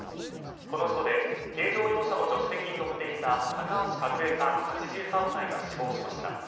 この事故で軽乗用車の助手席に乗っていた高橋和枝さん、８３歳が死亡しました。